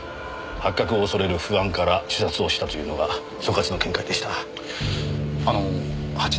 発覚を恐れる不安から自殺をしたというのが所轄の見解でした。